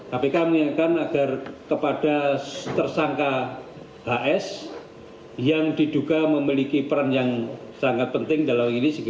kpk mengingatkan agar kepada tersangka hs yang diduga memiliki peran yang sangat penting dalam ini